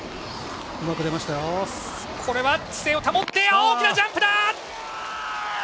これは姿勢を保って大きなジャンプだ！